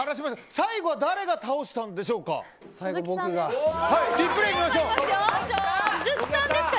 最後誰が倒したんでしょうか。